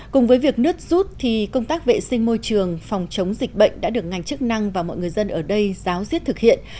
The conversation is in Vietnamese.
cùng với việc nước rút thì công tác vệ sinh môi trường phòng chống dịch bệnh đã được ngành chức năng và mọi người dân ở đây giáo diết thực hiện